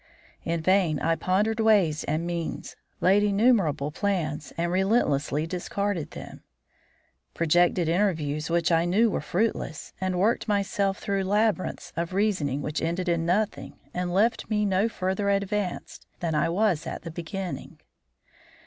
In vain I pondered ways and means; laid innumerable plans and relentlessly discarded them; projected interviews which I knew were fruitless, and worked myself through labyrinths of reasoning which ended in nothing and left me no farther advanced at the end than I was in the beginning.